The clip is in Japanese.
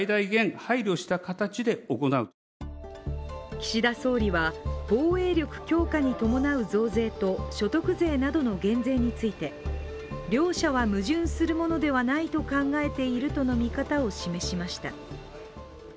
岸田総理は防衛力強化に伴う増税と所得税などの減税について、両者は矛盾するものではないと考えているとの見方を示しました。